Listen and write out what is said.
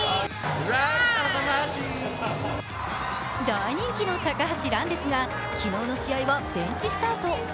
大人気の高橋藍ですが昨日の試合はベンチスタート。